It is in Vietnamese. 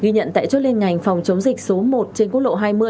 ghi nhận tại chốt liên ngành phòng chống dịch số một trên quốc lộ hai mươi